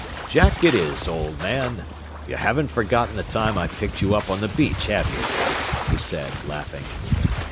"Jack it is, old man. You haven't forgotten the time I picked you up on the beach, have you?" he said, laughing.